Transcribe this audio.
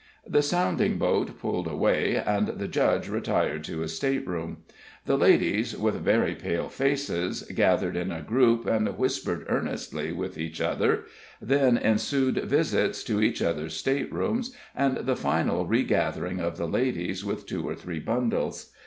The sounding boat pulled away, and the Judge retired to his stateroom. The ladies, with very pale faces, gathered in a group and whispered earnestly with each other; then ensued visits to each other's staterooms, and the final regathering of the ladies with two or three bundles.